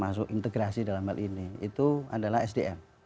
masuk integrasi dalam hal ini itu adalah sdm